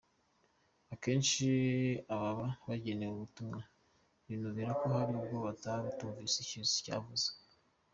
Akenshi ababa bagenewe ubutumwa binubira ko hari ubwo bataha batumvise icyavuzwe.